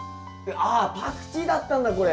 ああパクチーだったんだこれ。